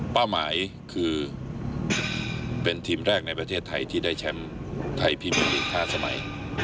เป้าหมายคือเป็นทีมแรกในประเทศไทยที่ได้แชมป์ไทยพี่มิลิธาสมัย